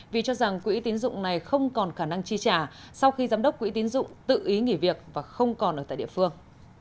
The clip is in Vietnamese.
vì cho rằng quỹ tiến dụng này không còn khả năng chi trả sau khi giám đốc quỹ tín dụng tự ý nghỉ việc và không còn ở tại địa phương